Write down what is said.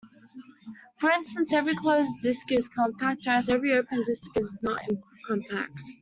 For instance, every closed disk is compact whereas every open disk is not compact.